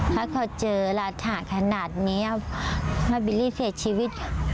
ถ้าเขาเจอรัฐาขนาดนี้ว่าบิลลี่เสียชีวิต